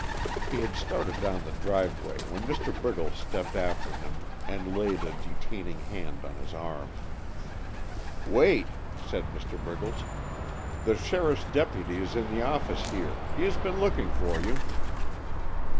He had started down the driveway when Mr. Briggles stepped after him and laid a detaining hand on his arm. "Wait!" said Mr. Briggles. "The sheriffs deputy is in the office here; he has been looking for you."